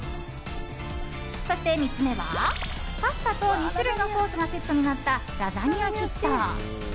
そして３つ目はパスタと２種類のソースがセットになった、ラザニアキット。